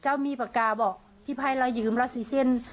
เจ้ามีปากกาบอกพี่ภัยเรายืมแล้วสิเซ็น